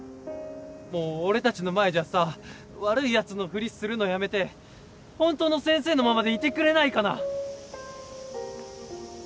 もう俺たちの前じゃさ悪いヤツのふりするのやめて本当の先生のままでいてくれないかな？